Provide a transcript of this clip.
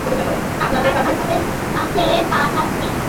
আপনাদের কাছে পাঠাচ্ছি।